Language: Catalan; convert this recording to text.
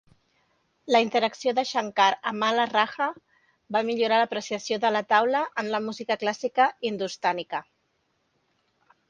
La interacció de Shankar amb Alla Rakha va millorar l'apreciació de la "taula" en la música clàssica hindustànica.